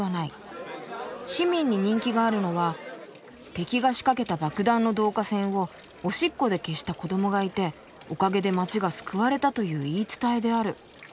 「市民に人気があるのは敵が仕掛けた爆弾の導火線をおしっこで消した子どもがいておかげで街が救われたという言い伝えである」。